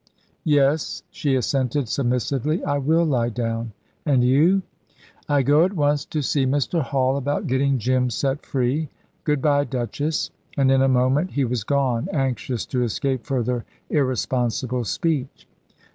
"Yes," she assented submissively; "I will lie down. And you?" "I go at once to see Mr. Hall, about getting Jim set free. Good bye, Duchess"; and in a moment he was gone, anxious to escape further irresponsible speech.